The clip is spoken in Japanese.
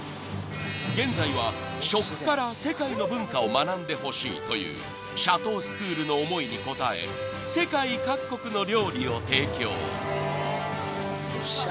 ［現在は食から世界の文化を学んでほしいというシャトースクールの思いに応え世界各国の料理を提供］